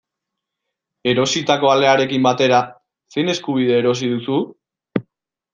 Erositako alearekin batera, zein eskubide erosi duzu?